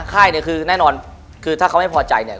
ค่ายเนี่ยคือแน่นอนคือถ้าเขาไม่พอใจเนี่ย